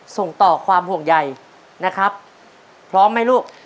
ส่งต่อความห่วงใยนะครับพร้อมไหมลูก